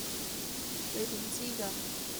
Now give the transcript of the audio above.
你點知架?